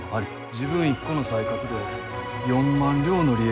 自分一個の才覚で４万両の利益を蓄え。